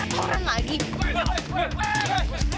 tuh orang lagi